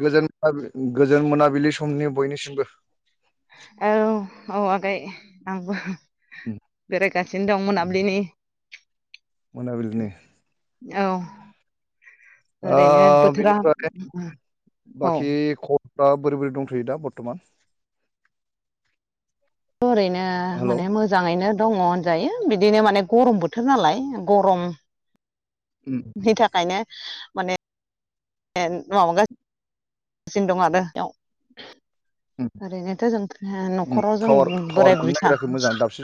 गोजोन गोजोन मोनाबिलि समनि बयनिसिमबो औ औ आगै आंबो उम बेरायगासिनो दं उम मोनाबिलिनि मोनाबिलिनि औ ओरैनो ओ बोथोरा बिनिफ्राय औ बाखि फोरा दा बोरै बोरै दंथ'यो दा बर्थ'मान ओरैनो हेलौ माने मोजाङैनो दङ होनजायो बिदिनो माने गरम बोथोर नालाय गरम उम बिनि थाखायनो माने माबासिनोसिनो दं आरो इयाव उम ओरैनोथ' जों उम न'खराव जों टावार टावार बोराय मोननो बुरै नागिराखै सानै मोजां दाबसे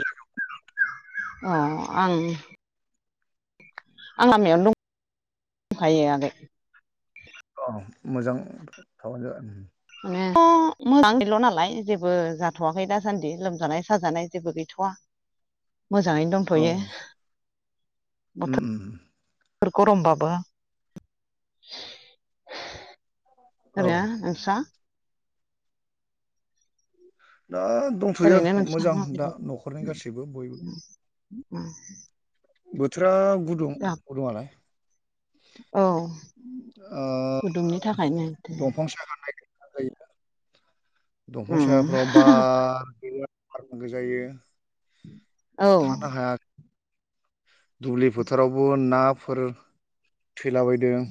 अ आं आं लामायावनो दं दंखायो आगै जायगायाव मोजां थाबानो जाबाय [unintelligible] मोजां गैल' नालाय जेबो जाथ'वाखै दासान्दि लोमजानाय साजानाय जेबो गैथ'वा मोजाङैनो दंथ'यो उम उम थोर गरमबाबो औ ओरैहा नोंस्रा दा दंथ'यो ओरैनो नोंस्रा मोजां दा माबायदि न'खरनि गासैबो बयबो उम बोथोरा गुदुं गुदुंआलाय औ अ गुदुंनि थाखायनो उम दंफां सागारनाय दंफां सायाफ्राव बार गैया बारनांगो जायो औ थानो हाया दुब्लि फोथारावबो नाफोर थैलाबायदों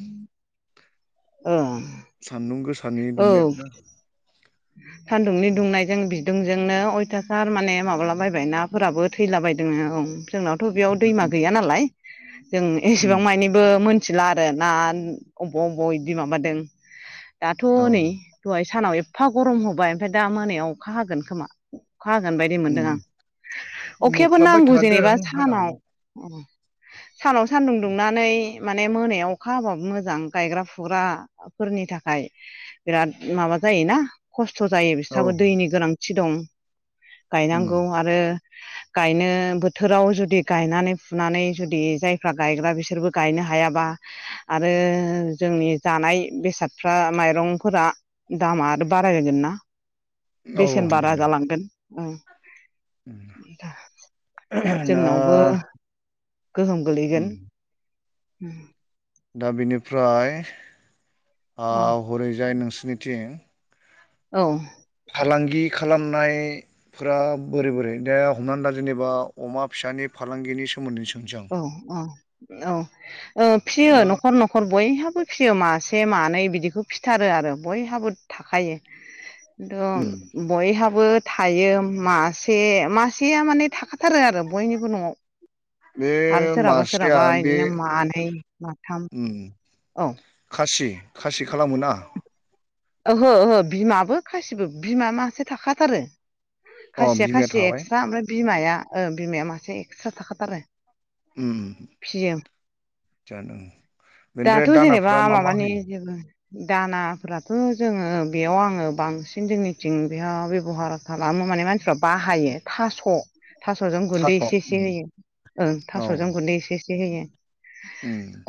औ सान्दुं गोसानि दुंनायावनो सान्दुंनि दुंनायजों बिदि दुंजोंनो अयथासार माने माबाला बायबाय नाफोराबो थैलाबायदों औ जोंनावथ' बेयाव दैमा गैया नालाय जों उम एसेबां मानिबो मिथिला आरो ना बबाव बबाव बिदि माबादों दाथ' औ नै द सानाव एफा गरम होबाय ओमफ्राय दा मोनायाव अखा हागोन खोमा अखा होगोन बायदि उम मोनदों आं अखायाबो मोख्लाबबाय नांगौ थादों जेनेबा हानाव सानाव ह सानाव सान्दुं दुंनानै माने मोनायाव अखा हाबाबो मोजां गायग्रा फुग्राफोरनि थाखाय बिराद माबा जायोना खस्थ' जायो औ बिस्राबो दैनि गोनांथि दं उम गायनांगौ आरो गायनो बोथोराव जुदि गायनानै फुनानै जुदि जायफ्रा गायग्रा बिसोरबो गायनो हायाबा आरो जोंनि जानाय बेसादफ्रा माइरंफोरा दामा आरो बाराय होगोन ना औ बेसेन बारा बेनोदा जालांगोन ओम ना जोंनावबो गोहोम उम गोलैगोन ओम दा बिनिफ्राय ओ औ हरैजाय नोंसिनिथिं औ फालांगि खालामनायफोरा बोरै बोरै दे हमनानै दा जेनेबा अमा फि फिसानि फालांगिनि सोमोन्दै स औ औ औ औ ओ फियो दा नखर नखर बयहाबो फियो मासे से मानै बिदिखौ फिथारो आरो बयहाबो थाखायो उम खिन्थु बयहाबो थायो मासे मासेया माने थाखा थारो आरो बयनिबो नआव बे आरो सोरहाबा मासेया सोरहाबा बे बिदिनो मानै माथाम ओम औ खासि खासि खालामो ना ओहो ओहो बिमाबो खासिबो बिमा मासे थाखाथारो अ खासिया बिमाया खासिया थाबाय एक्सट्रा ओमफ्राय बिमाया ओ बिमाया मासे एक्सट्रा थाखाथारो ओम होम फियो दाथ जेनेबा दानाफ्रा मा मा माबानि होयो? जेबो दानाफोरा थ जोङो बेयाव आङो बांसिन जोंनिथिं बेयाव बेबहार खालामो माने मानसिफ्रा बाहायो थास थासजों गुन्दै थास' एसे एसे उम होयो ओं औ थासजों गुन्दै एसे एसे होयो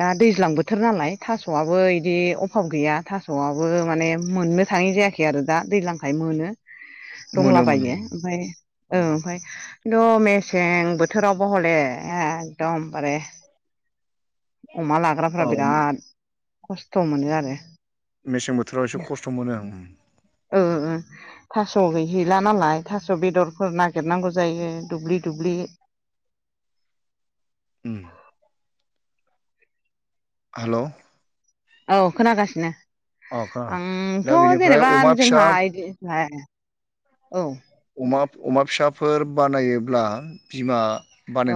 दा दैज्लां बोथोर नालाय थासआबो इदि अभाब गैया थासआव बो माने मोननो थाङि जायाखै आरो दा दैज्लांखाय मोनो। मोनो मोनो दंलाबायो ओमफाय औ ओ ओमफाय खिन्थु मेसें बोथोरावबो हले एकदमबारे अमा लाग्राफ्रा औ बिराद खस्थ मोनो आरो मेसें बोथोराव एसे खस्थ मोनो आं ओम ओ ओ ओ थास गैहैला नालाय थास बेदरफोर नागिरनांगौ जायो दुब्लि दुब्लि [inaudible] ओम हेलौ औ खोनागासिनो खोनादों आंथ‌ दा बेनिफ्राय जेनेबा अमा फिसा जोंहा बिदि औ अमा अमा फिसाफोर बानायोब्ला बिमा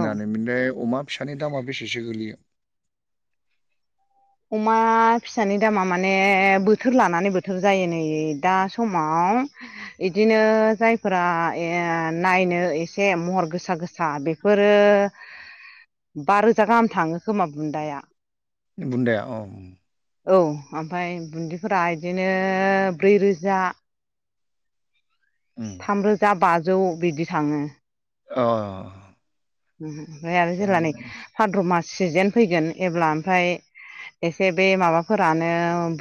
औ मानेअमा फिसानि दामा बेसेसो गोग्लैयो अमा फिसानि दामा माने बोथोर लानानै बोथोर जायो नै दा समाव इदिनो जायफोरा नायनो एसे महर गोसा गोसा बेफोर रो बा रोजा गाहाम थाङो खोमा बुन्दाया बुन्दाया अ ओम औ ओमफ्राय बुन्दिफोरा इदिनो ब्रैरोजा थामरोजा बाजौ बिदि थाङो। अ ओमफ्राय आरो जेब्ला नै थिगानो भाद्र मास सिजेन फैगोन एब्ला ओमफ्राय एसे बे माबाफोरानो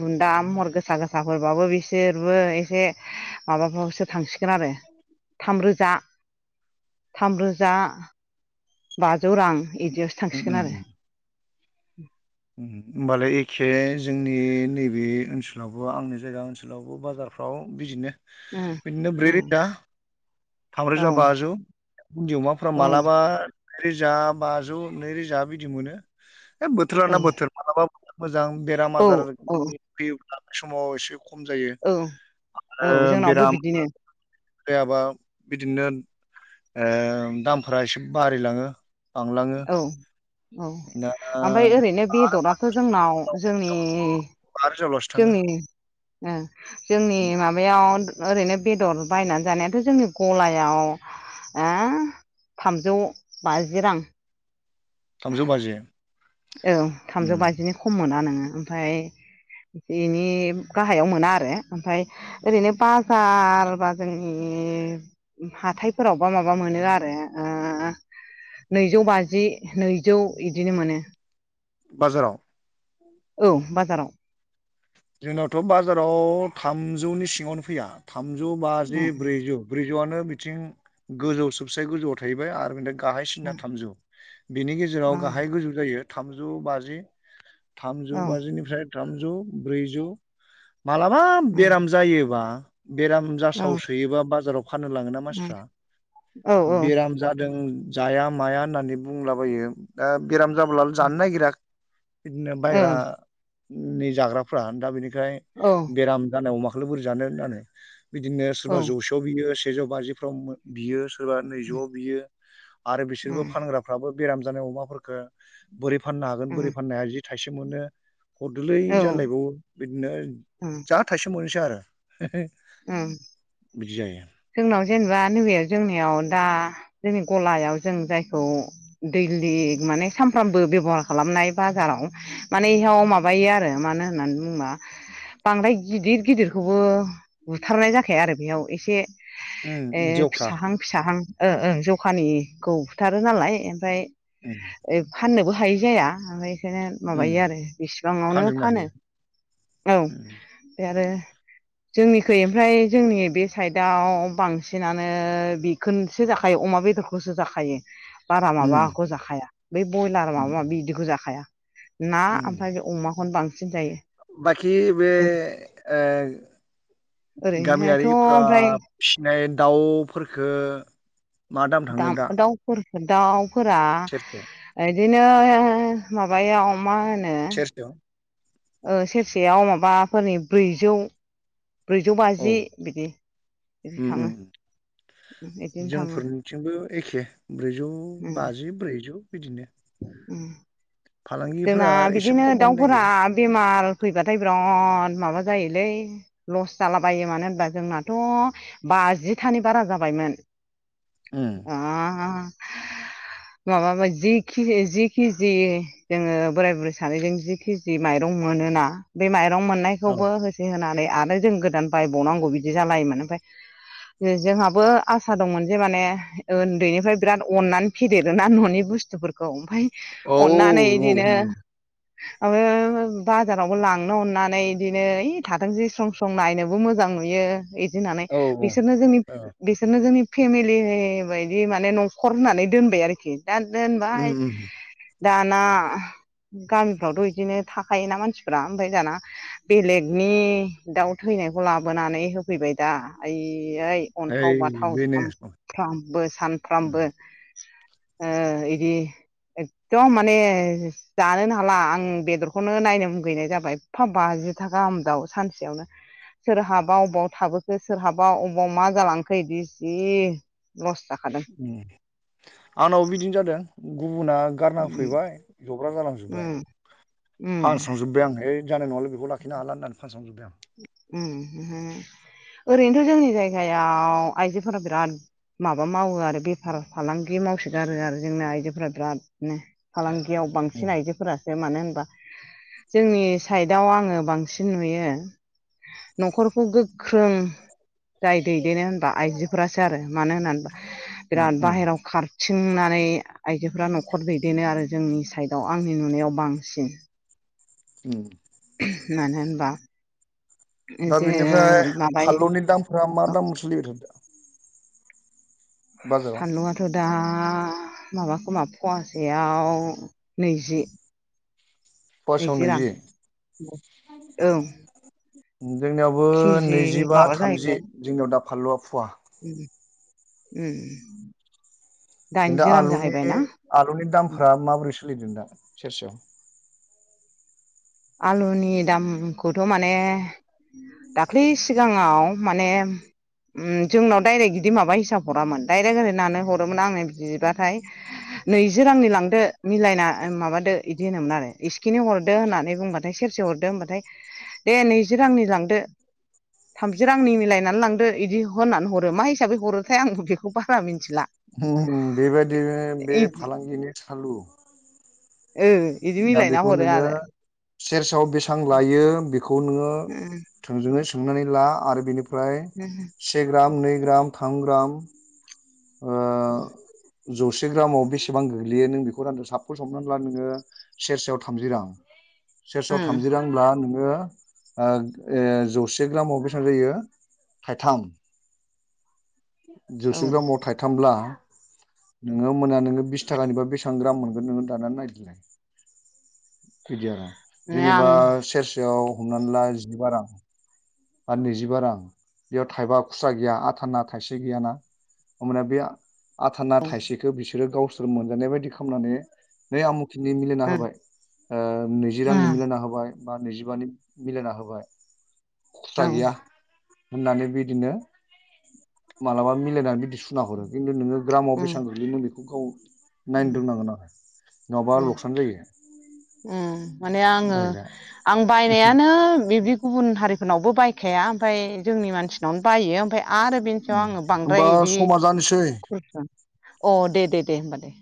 बुन्दा महर गोसा गोसाफोरबाबो बिसोरबो एसे माबाफ्रावसो थांसि आरो थामरोजा थामरोजा बाजौ रां इदियावसो उम उम थांसिगोन आरो होनबालाय एखे जोंनि नैबे ओनसोलावबो आंनि जायगा ओनसोलावबो बाजारफ्राव बिदिनो बिदिनो ब्रै रोजा औ थामरोजा बाजौ उिन्न्दै अमाफोरा औ मालाबा रोजा बाजौ नैरोजा बिदि मोनो है बोथोराना बोथोर माबलाबाो मोजां बेराम औ आजार औ फैयोब्ला समाव एसे खम जायो औ औ ओ जोंनावबो बेराम बिदिनो जायाबा बिदिनो ओ दामफोरा एसे बारायलाङो, बांलाङो। औ औ दा ओमफाय ओरैनो बेदराथ' जोंनाव जोंनि बेसेआवलासै थाङो? ओ जोंनि माबायाव ओरैनो बेदर बायनानै जानायाथ' जोंनि गलायाव ओ थामजौ बाजि रां। थामजौ बाजि? औ उम थामजौ बाजिनि खम मोना नोङो ओमफाय इनि गाहायाव मोना आरो, ओमफाय ओरैनो बाजार बा जों नि हाथायफोरावबा माबा मोनो आरो ओ नैजौ बाजि, नैजौ इदिनो मोनो। बाजाराव? औ बाजाराव। जोंनावथ' बाजाराव थामजौनि सिङावनो फैया। थामजौ बाजि ए ब्रैजौ, ब्रैजौआनो बिथिं गोजौ सबसे गोजौआव थाहैबाय आरो बेनिफ्राय गाहाय ओ सिना थामजौ, बिनि औ गेजेराव गाहाय गोजौ जायो थामजौ बाजि थामजौ औ बाजिनिफ्राय थामजौ ब्रैजौ मालाबा औ बेराम जायोबा बेराम औ जासाव सोयोबा बाजाराव फाननो लाङोना मानसिफ्रा औ बेराम जादों जाया माया होननानै बुंलाबायो दा बेराम जाब्ला जानो नागिरा बिदिनो बायग्रा नै जाग्राफ्रा दा बिनिफ्राय औ बेराम जानाय अमा खौलाय बोरै जानो होननानै बिदिनो सोरबा ओम जौसेयाव बियो, सेजौ बाजिफ्राव बियो, सोरबा नैजौआव बियो आरो बिसोरबो फानग्राफ्राबो बेराम जानाय अमाफोरफोरखो बोरै फाननो हागोन ओम बोरै फाननो हाया जि थाइसे मोनो हरदोरलै औ जालाय ओं बिदिनो जा थाइसे मोनोसै आरो। ओम बिदि जायो जोंनाव जेनेबा नैबे जोंनियाव दा जोंनि गलायाव जों जायखौ दैलि माने सानफ्रोमबो बेबहार खालामनाय बाजार माने इयाव माबायो आरो मानो होननानै बुङोबा बांद्राय गिदिर गिदिरखौबो बुथारनाय जाखाया आरो बेयाव एसे उम ओ देवख्रा फिसाहां फिसाहां ओं ओं जखानि खौ फुथारो नालाय ओमफ्राय उम ओ फाननोबो हायि जाया ओमफ्राय [unintelligible] उम माबायो आरो बेसेबाङावनो फानजोबनो फानो हायो औ उम ओमफ्राय आरो जोंनि खै ओमफ्राय जोंनि बे साइडआव बांसिनानो बिखोनसो जाखायो अमा बेदरखौ सो जाखायो, बारा उम माबाखौ जाखाया बै बयलार माबा उम माबि इदिखौ जाखाया। ना उम ओमफ्राय बे अमाखौनो बां बाखि बे ओ ओरैनोथ' गामियारिफ्रा ओमफ्राय फिनाय दाउफोरखो मा दाम थाङो दा दाम-दाउ फोर ओ दाउ फोरा सेरसेयाव? बिदिनो माबायाव मा होनो सेरसेयाव ओ सेरसेयाव माबा फोरनि ब्रैजौ ब्रैजौ औ बाजि बिदि, बिदि उम उम थाङो। उम बिदिनो थाङो जोंफोरनिथिंबो एखे ब्रैजौ उम बाजि, ब्रैजौ। बिदिनो उम जोंना फालांगिफोरा एसे बिदिनो खम होनो दाउफोरा नागिरो बेमार फैबाथाय बिरा द माबा जायोलै ल'स जालाबायो मानो होनबा जोंनाथ' बाजिथानि बारा जाबायमोन उम आ माबाबाय जि किजे-जि किजि जोङो बोराय बुरै सानैजों जि किजि माइरं मोनोना बे माइ रं औ मोननायखौबो होसै होनानै आरो जों गोदान बायबावनांगौ बिदि जालायोमोन, ओमफाय ओ जोंहाबो आसा दंमोन जे माने उन्दैनिफ्राय बिराद अननानै फिदेरोना न'नि बुस्थुफोर खौ ओमफाय औ अननानै औ इदिनो नंगौ [unintelligible] बाजारावबो लांनो अननानै आं नुयो इदि होननानै औ औ बिसोरनो जोंनि औ बिसोरनो जोंनि फेमिलि बायदि माने न'खर होननानै दोनबाय आरोखि। दा दोनबाय उम उम दाना गामिफ्रावथ' इदिनो थाखायोना मानसिफ्रा ओमफाय दाना बेलेगनि दाउ थै नायखौ लाबोनानै होफैबाय दा ओइ यैहाइ अन्थाव ओइ बाथाव बेनो उम सामफ्रामबो-सामफ्रामबो ओ इदि एक जिथा गाहाम दाव सानसेयावनो सोरहाबा अबाव थाबोखो सोरहाबा अबावाव मा जालांखो इदि जि ल'स् उम आंनावबो बिदिनो जादों गुबुना गारना उम होफैबाय जब्राब जालांजोबबाय उम फानस्रांजोबबाय आं। ओइ जानाय नङालै बेखौ लाखिनो हाला होननानै फानस्रांजोब उम [unintelligible] ओरैनोथ' जोंनि जायगायाव आइजोफोरा बिराद माबा मावो आरो बेफार फालांगि मावसोगारो आरो जोंना आइजोफोरा बिरादनो। फालांगियाव उम बांसिन आइजोफोरा जो मानो होनबा जोंनि साइदआव आङो बांसिन नुयो न'खरखौ गोख्रों जाय दैदेनो होनबा आइजोफोरासो आरो मानो होननानैबा उम बिराद उम बाहेरायाव खार थिंनानै आइजोफोरा न'खर दैदेनो आरो जोंनि साइदआव आंनि नुनायाव बांसिन। उम अह मानो होनबा दा जे बिनिफ्राय माबायो फानलुनि दामफोरा मा दाम सोलिबाय थादो? बाजाराव फानलुवाथ' दा दा माबा खोमा फुवासेयाव नैजि नैजि रां औ जोंनियावबो केजि नैजिबा माबा थामजि जाहैबाय जोंनियाव दा फानलौआ उम उम उम दा आलुनि आलुनि दामफोरा माबोरै सोलिदों दा सेरसेयाव? आलुनि दामखौथ' माने दाख्लै सिगाङाव माने उम जोंनाव डाइरेक्ट इदि माबा हिसाब हरामोन डाइरेक्ट ओरै होननानै हरोमोन आंनो बिबाथाय नैजि रांनि लांदो मिलायना ओ माबादो इदि होनोमोन आरो इसखिनि हरदो होननानै बाथाय सेरसे हरदो होमबाथाय दे नैजि रांनि लांदो थामजि रांनि मिलायनानै लांदो इदि होननानै हरो। मा हिसाबै हरोथाय आंबो बेखौ बारा मिन उम उम बेबायदिनो बे इदि फालांगिनि सालु ओ इदि दा मिलायना बेखौ हरो नोङो आरो सेरसेयाव बेसां लायो बेखौ नोङो [unintelligible] थोंजोङै सोंनानै ला आरो बेनिफ्राय से ग्राम नै ग्राम, थाम ग्राम उम ओ जौसे ग्रामाव बेसेबां गोग्लैयो नों बेखौ रानदो साफस हमनान ला नोङो सेरसेयाव थामजि रां सेरस'आव उम थामजि रांब्ला नोङो ओ इ जौसे ग्रामाव बेसेबां जायो थाइथाम [inaudible] औ जौसे ग्रामाव थाइथामब्ला नोङो मोना नोङो बिस थाखानिबा बेसेबां ग्राम मोनगोन नोङो दानानै नायदो बिदि आरो आं जेनेबा सेरसेयाव हमनानै ला जिबा रां आर नैजिबा रां बेयाव थाइबा खुस्रा गैया आथाना थाइसे गैयाना होमबानिया बे आथाना थाइसेखौ बिसोरो गावसोर मोनजानाय बायदि खालामनानै नै आमुख नि मिलायना उम होबाय ओ नैजि उम रांनि मिलायना होबाय बा नैजिबानि मिलायना होबाय खुस्रा औ गैया होननानै बिदिनो मालाबा मिलायनानै बिदि सुना हरो खिन्थु नोङो ग्रामाव बेसेबां उम गोग्लैयोमोन बेखौ गाव नायनो दोननांगोन आरो नङाबा लकसान जायो उ माने आङो बायग्राया आं बायनायानो बिदि गुबुन हारिफोरनावबो बायखाया ओमफ्राय जोंनि मानसिनावनो बायो ओमफ्राय आरो बेनि सायाव आङो होमबा बांद्राय बिदि समा जानोसै अ दे दे दे होमबालाय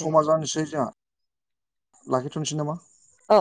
समा जानोसै जोंहा लाखिथ'नोसै नामा अ